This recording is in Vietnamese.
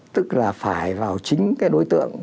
tức là phải vào chính cái đối tượng